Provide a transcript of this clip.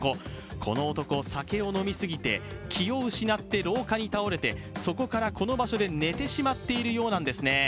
この男、酒を飲みすぎて気を失って廊下に倒れて、そこからこの場所で寝てしまっているようなんですね。